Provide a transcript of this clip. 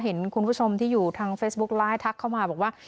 เห็นคุณผู้ชมที่อยู่ทางเฟซบุ๊คไลฟ์ทักเข้ามาบอกว่า